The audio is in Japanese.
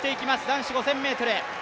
男子５０００ｍ。